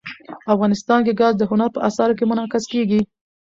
افغانستان کې ګاز د هنر په اثار کې منعکس کېږي.